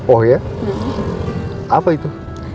oh ya apa itu